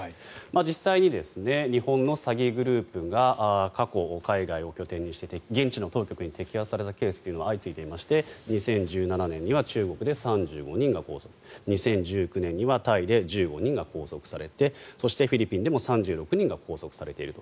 実際に、日本の詐欺グループが過去、海外を拠点にして現地の当局に摘発されたケースというのが相次いでいまして２０１７年には中国で３５人が拘束２０１９年にはタイで１５人が拘束されてそして、フィリピンでも３６人が拘束されていると。